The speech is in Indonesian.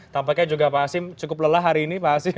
tampaknya juga pak hasim cukup lelah hari ini pak hasim